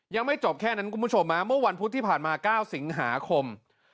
ยังไม่จบแค่นั้นคุณผู้ชมเมื่อวันพุธที่ผ่านมา๙สิงหาคม